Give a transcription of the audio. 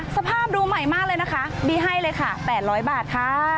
สภาพดูใหม่มากเลยนะคะบีให้เลยค่ะ๘๐๐บาทค่ะ